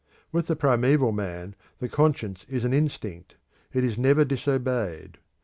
With the primeval man the conscience is an instinct; it is never disobeyed.